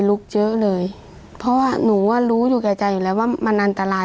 ลุกเยอะเลยเพราะว่าหนูว่ารู้อยู่แก่ใจอยู่แล้วว่ามันอันตราย